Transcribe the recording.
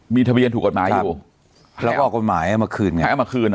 มีทะเบียนถูกกฎหมายอยู่แล้วก็เอากฎหมายเอามาคืนไงเอามาคืนเหรอ